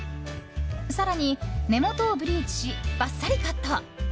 更に根元をブリーチしバッサリカット。